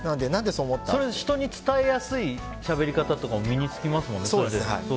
人に伝えやすいしゃべり方とかも身に付きますよね。